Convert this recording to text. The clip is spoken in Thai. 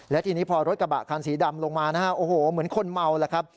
และทีนี้พอรถกระบะคันสีดำลงมานะฮะโอ้โหเหมือนคนเมาแล้วครับ